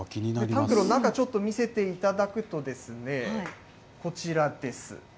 タンクの中、ちょっと見せていただくとですね、こちらです。